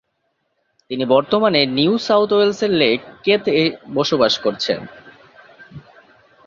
তিনি বর্তমানে New South ওয়েলসের লেক ক্যাথ-এ বসবাস করছেন।